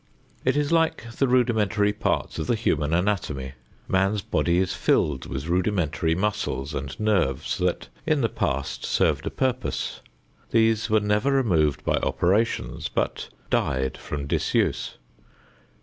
It is like the rudimentary parts of the human anatomy. Man's body is filled with rudimentary muscles and nerves that, in the past, served a purpose. These were never removed by operations, but died from disuse.